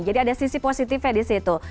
jadi ada sisi positifnya di situ